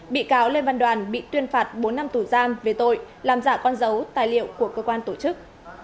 bị cáo lê văn đoàn bị tuyên phạt bốn năm tù giam về tội làm giả con dấu tài liệu của cơ quan tổ chức